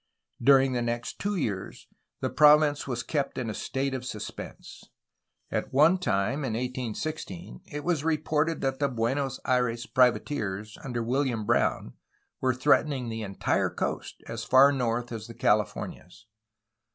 During the next two years the province was kept in a state of suspense. At one time in 1816 it was re ported that the Buenos Aires privateers, under William Brown, were threatening the entire coast as far north as the Californias.